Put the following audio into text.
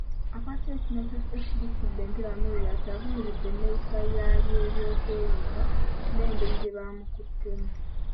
Akwatidde ekibiina kya FDC bbendera, Amuriat, avumiridde enneeyisa y'abeebyokwerinda n'engeri gye bamukuttemu.